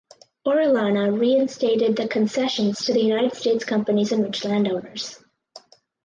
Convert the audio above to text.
Orellana reinstated the concessions to the United States companies and rich landowners.